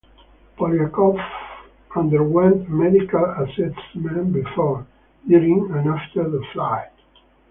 Polyakov underwent medical assessments before, during, and after the flight.